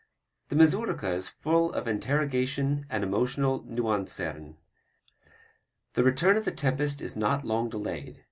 The mazurka is full of interrogation and emotional nuanciren. The return of the tempest is not long delayed.